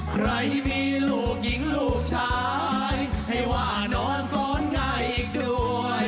ใครมีลูกหญิงลูกชายให้ว่านอนซ้อนง่ายอีกด้วย